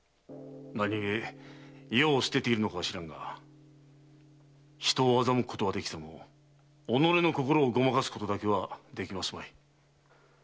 何故世を捨てているのか知らぬが人を欺くことはできても己の心をごまかすことだけはできますまい。